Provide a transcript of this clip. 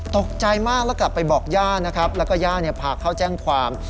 ตกใจมากแล้วกลับไปบอกย่านะครับแล้วก็ย่าพาเข้าแจ้งความ